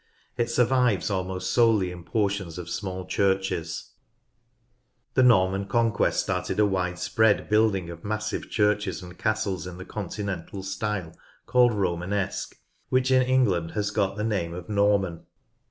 It survives almost solely in portions of small churches. ARCHITECTURE— GENERAL 121 The Norman Conquest started a widespread building of massive churches and castles in the continental style called Romanesque, which in England has got the name of " Norman.